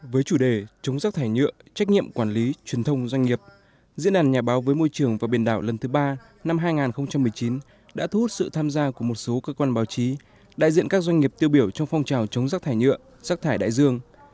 với chủ đề chống rác thải nhựa trách nhiệm quản lý truyền thông doanh nghiệp diễn đàn nhà báo với môi trường và biển đảo lần thứ ba năm hai nghìn một mươi chín đã thu hút sự tham gia của một số cơ quan báo chí đại diện các doanh nghiệp tiêu biểu trong phong trào chống rác thải nhựa rác thải đại dương